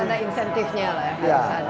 harus ada insentifnya lah ya